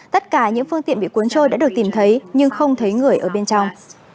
tất cả những phương tiện bị cuốn trôi đã được tìm thấy nhưng không thấy người ở bên trong